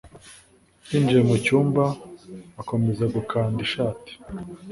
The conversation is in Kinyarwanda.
yinjiye mu cyumba, akomeza gukanda ishati.